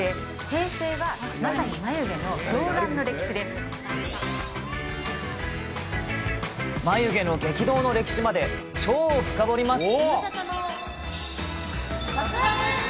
平成は、眉毛の激動の歴史まで、超深掘ります。